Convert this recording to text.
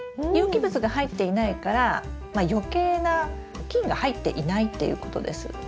有機物が入っていないからよけいな菌が入っていないっていうことです。